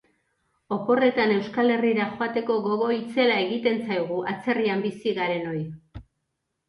Oporretan Euskal Herrira joateko gogo itzela egiten zaigu atzerrian bizi garenoi.